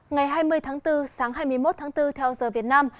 ngày hai mươi tháng bốn sáng hai mươi một tháng bốn theo giờ việt nam